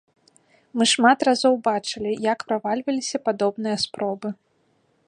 Мы шмат разоў бачылі, як правальваліся падобныя спробы.